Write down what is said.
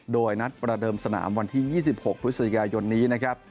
โดยนัดประเดิมสนามวันที่๒๖พฤศจิกายนนี้นะครับ